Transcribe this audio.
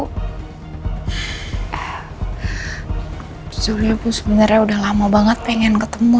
sejujurnya gue sebenarnya udah lama banget pengen ketemu